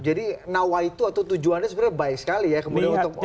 jadi nawa itu atau tujuannya sebenarnya baik sekali ya kemudian untuk menjadikan outputnya